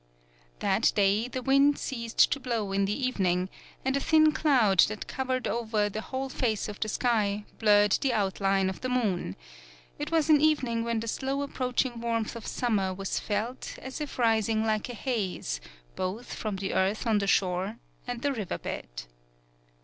That day the wind ceased to blow in the evening, and a thin cloud that cov ered over the whole face of the sky blurred the outline of the moon; it was an evening when the slow approaching warmth of summer was felt as if rising like a haze, both from the earth on the shore and the river bed.